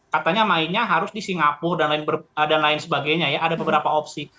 katanya mainnya harus di singapura dan lain sebagainya ya ada beberapa opsi